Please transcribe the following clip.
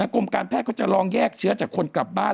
กรมการแพทย์เขาจะลองแยกเชื้อจากคนกลับบ้าน